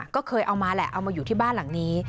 ก็เคยเอามาแหละเอามาอยู่ที่บ้านหลังนี้